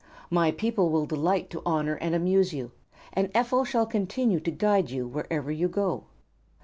My people will delight to honor and amuse you, and Ephel shall continue to guide you wherever you go."